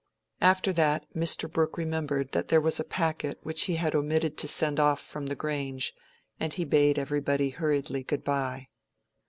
After that, Mr. Brooke remembered that there was a packet which he had omitted to send off from the Grange, and he bade everybody hurriedly good by.